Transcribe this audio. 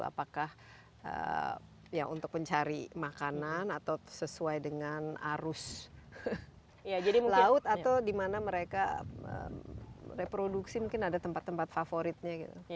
apakah untuk mencari makanan atau sesuai dengan arus laut atau di mana mereka reproduksi mungkin ada tempat tempat favoritnya gitu